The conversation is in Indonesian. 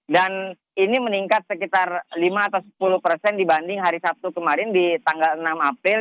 dan ini meningkat sekitar lima atau sepuluh persen dibanding hari sabtu kemarin di tanggal enam april